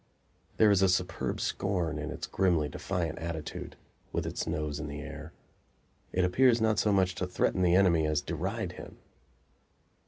There is a superb scorn in its grimly defiant attitude, with its nose in the air; it appears not so much to threaten the enemy as deride him.